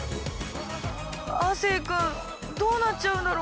亜生君どうなっちゃうんだろ。